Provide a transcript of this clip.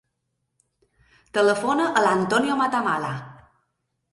Telefona a l'Antonio Matamala.